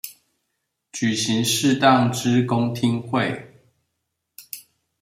舉行適當之公聽會